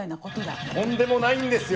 とんでもないんですよ